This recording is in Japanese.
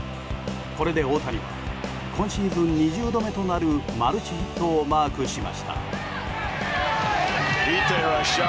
これで大谷は今シーズン２０度目となるマルチヒットをマークしました。